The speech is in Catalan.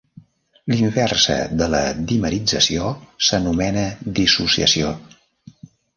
La inversa de la dimerització s'anomena dissociació.